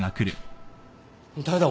誰だ？